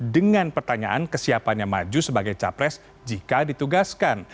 dengan pertanyaan kesiapannya maju sebagai capres jika ditugaskan